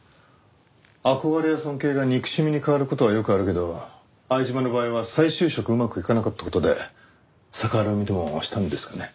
憧れや尊敬が憎しみに変わる事はよくあるけど相島の場合は再就職うまくいかなかった事で逆恨みでもしたんですかね。